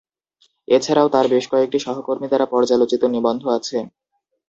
এছাড়াও তাঁর বেশ কয়েকটি সহকর্মী দ্বারা পর্যালোচিত নিবন্ধ আছে।